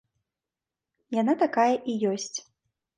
Яна такая і ёсць.